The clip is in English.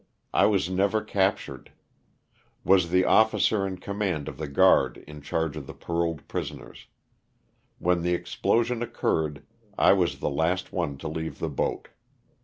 I was never captured. Was the officer in command of the guard in charge of the paroled pris oners. When the explosion occurred I was the last one to leave the boat.